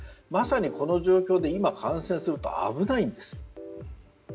まさにこの状況で今感染すると危ないんです。